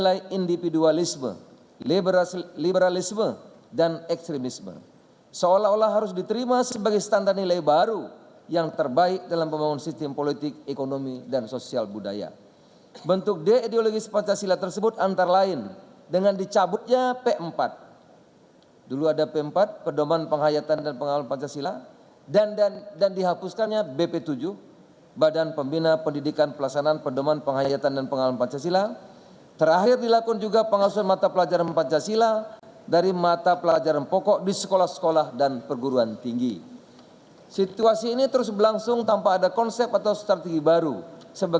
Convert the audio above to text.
aktivitas kenegaraan harus selalu mengedepankan kejujuran amanah keteladanan sikap toleransi tanggung jawab menjaga kehormatan serta mertabat diri sebagai warga bangsa